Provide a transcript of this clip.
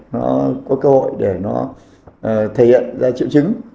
nó có cơ hội để nó thể hiện ra triệu chứng